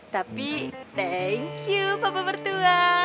tapi thank you bapak mertua